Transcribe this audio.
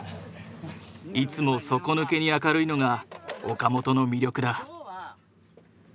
いつも底抜けに明るいのが岡本の魅力だ。